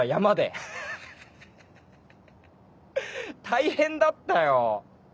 大変だったよ！